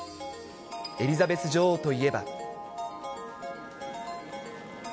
エリザベス女王といえば。